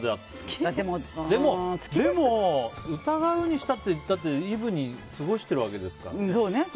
でも、疑うにしたってだって、イブに過ごしてるわけですからね。